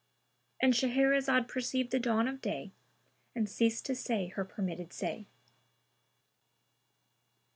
—And Shahrazad perceived the dawn of day and ceased to say her permitted say.